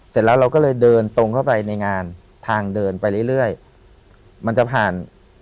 เสร็จแล้วเราก็เลยเดินตรงเข้าไปในงานทางเดินไปเรื่อยมันจะผ่าน